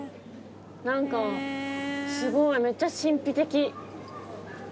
何かすごいめっちゃ神秘的。